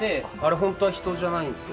本当は人じゃないんですよ。